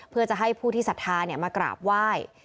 เพื่อจะให้ผู้ที่ศรัทธามากราบไหว้